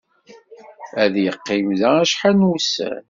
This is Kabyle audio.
Ad yeqqim da acḥal n wussan.